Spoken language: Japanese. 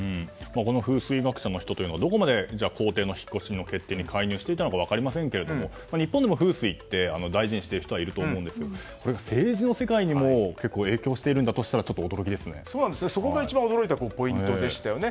風水学者の人というのはどこまで公邸の引っ越しの決定に介入していたのか分かりませんけども日本でも風水って大事にしている人はいると思うんですけど、それが政治の世界にも結構影響しているんだとしたらそこが一番驚いたポイントでしたね。